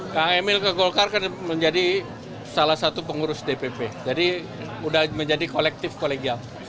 kang emil ke golkar kan menjadi salah satu pengurus dpp jadi sudah menjadi kolektif kolegial